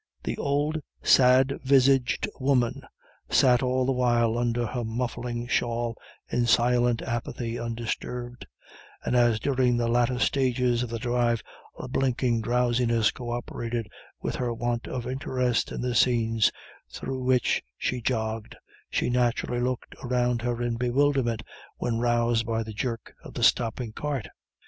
The old, sad visaged woman sat all the while under her muffling shawl in silent apathy undisturbed, and as during the latter stages of the drive a blinking drowsiness co operated with her want of interest in the scenes through which she jogged, she naturally looked around her in bewilderment when roused by the jerk of the stopping cart.